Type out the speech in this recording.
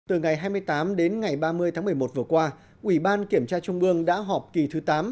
từ ngày hai mươi tám đến ngày ba mươi tháng một mươi một vừa qua ủy ban kiểm tra trung ương đã họp kỳ thứ tám